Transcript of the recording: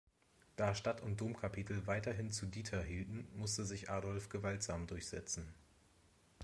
Da Stadt und Domkapitel weiterhin zu Diether hielten, musste sich Adolf gewaltsam durchsetzen.